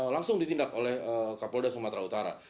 langsung ditindak oleh kapolda sumatera utara